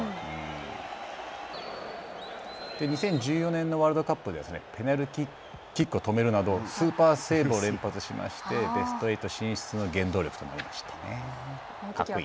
２０１４年のワールドカップではペナルティーキックを止めるなどスーパーセーブを連発しましてベスト８進出の原動力となりました。